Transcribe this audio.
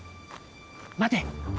待て！